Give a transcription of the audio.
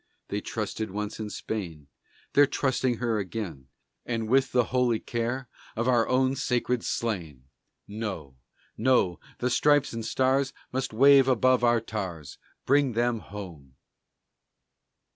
They trusted once in Spain, They're trusting her again! And with the holy care of our own sacred slain! No, no, the Stripes and Stars Must wave above our tars. Bring them home!